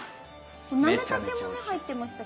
なめたけもね入ってましたけど。